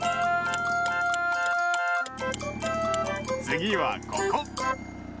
つぎはここ。